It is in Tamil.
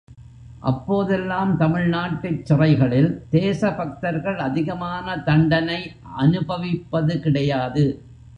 அப்போதெல்லாம் தமிழ்நாட்டுச் சிறைகளில் தேசபக்தர்கள் அதிகமாக தண்டனை அனுபவிப்பது கிடையாது.